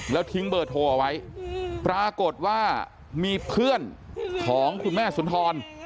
แล้วทิ้งเบอร์โทรเอาไว้ปรากฏว่ามีเพื่อนของคุณแม่สุนทร